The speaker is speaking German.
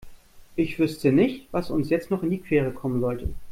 Ich wüsste nicht, was uns jetzt noch in die Quere kommen sollte.